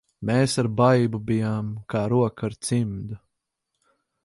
Mēs ar Baibu bijām kā roka ar cimdu.